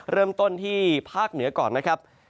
เริ่มต้นที่ภาคเหนือก่อนนะครับ